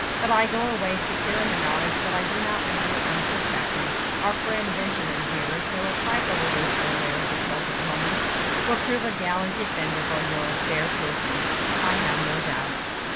But I go away, secure in the knowledge that I do not leave you unprotected. Our friend Benjamin here, though a trifle the worse for wear at the present moment, will prove a gallant defender of your fair person, I have no doubt.